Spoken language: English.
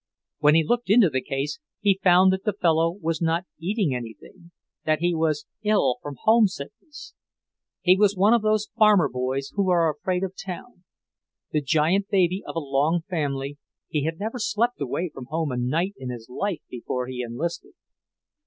When he looked into the case, he found that the fellow was not eating anything, that he was ill from homesickness. He was one of those farmer boys who are afraid of town. The giant baby of a long family, he had never slept away from home a night in his life before he enlisted.